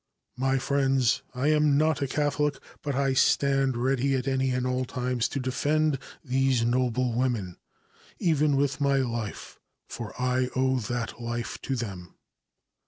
"My friends, I am not a Catholic, but I stand ready at any and all times to defend these noble women, even with my life, for I owe that life to them."